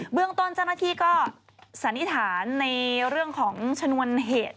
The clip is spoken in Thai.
เรื่องต้นเจ้าหน้าที่ก็สันนิษฐานในเรื่องของชนวนเหตุ